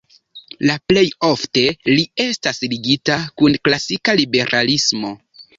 La plej ofte li estas ligita kun klasika liberalismo.